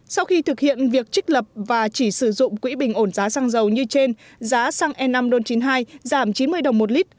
sau khi thực hiện việc trích lập và chỉ sử dụng quỹ bình ổn giá xăng dầu như trên giá xăng e năm ron chín mươi hai giảm chín mươi đồng một lít